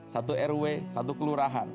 satu rw satu kelurahan